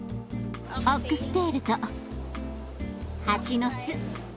オックステールとハチノス。